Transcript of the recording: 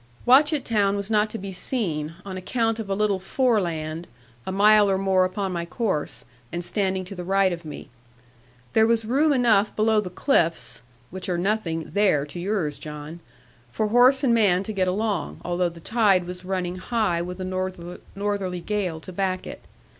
'Watchett town was not to be seen, on account of a little foreland, a mile or more upon my course, and standing to the right of me. There was room enough below the cliffs (which are nothing there to yours, John), for horse and man to get along, although the tide was running high with a northerly gale to back it.